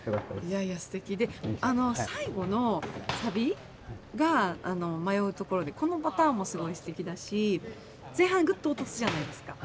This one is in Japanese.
最後のサビが迷うところでこのパターンもすごいステキだし前半グッと落とすじゃないですか。